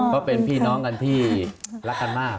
เพราะเป็นพี่น้องกันที่รักกันมาก